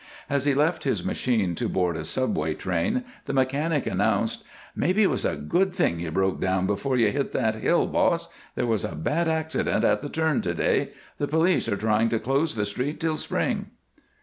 As he left his machine to board a Subway train, the mechanic announced: "Maybe it was a good thing you broke down before you hit that hill, boss. There was a bad accident at the turn, to day; the police are going to close the street till spring."